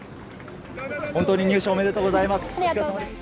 本当に入賞おめでとうございます。